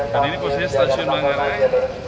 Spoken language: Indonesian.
dan ini posisi stasiun manggarai